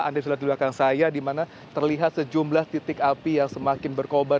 anda sudah lihat di belakang saya di mana terlihat sejumlah titik api yang semakin berkobar